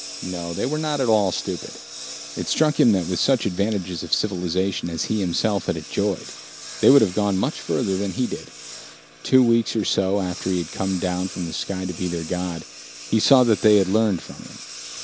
No, they were not at all stupid. It struck him that with such advantages of civilization as he himself had enjoyed, they would have gone much further than he did. Two weeks or so after he had come down from the sky to be their god, he saw that they had learned from him.